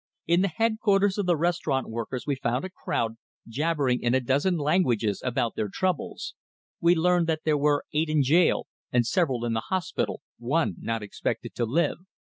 In the headquarters of the Restaurant Workers we found a crowd, jabbering in a dozen languages about their troubles; we learned that there were eight in jail, and several in the hospital, one not expected to live.